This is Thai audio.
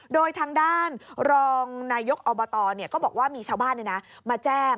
โดยทางด้านรองนายกอบตก็บอกว่ามีชาวบ้านมาแจ้ง